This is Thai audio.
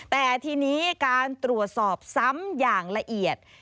แต่ทีนี้การตรวจสอบซ้ำอย่างละเอียด